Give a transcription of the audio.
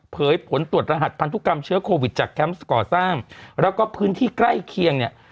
ผลตรวจรหัสพันธุกรรมเชื้อโควิดจากแคมป์ก่อสร้างแล้วก็พื้นที่ใกล้เคียงเนี่ย